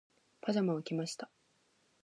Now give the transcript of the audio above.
パジャマを着ました。